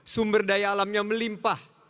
sumber daya alamnya melimpah